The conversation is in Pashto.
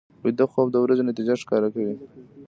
ویده خوب د ورځې نتیجې ښکاره کوي